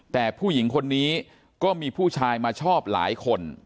แต่ผู้หญิงคนนี้ก็มีผู้ชายมาชอบหลายคน